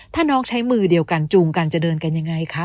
ถ้าน้องใช้มือเดียวกันจูงกันจะเดินกันยังไงคะ